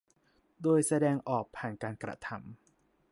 โดยแสดงออกผ่านการกระทำ